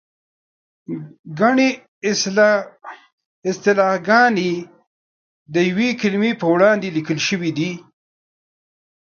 ګڼې اصطلاحګانې د یوې کلمې په وړاندې لیکل شوې دي.